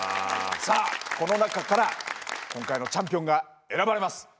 さあこの中から今回のチャンピオンが選ばれます。